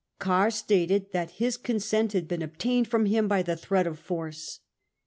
Kahr stated that his consent had been obtained from him by the threat of force.